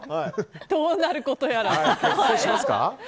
どうなることやら。